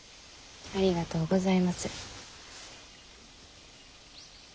ありがとうございます。